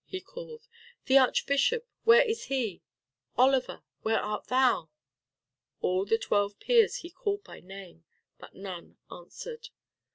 he called. "The archbishop, where is he? Oliver, where art thou?" All the twelve peers he called by name. But none answered.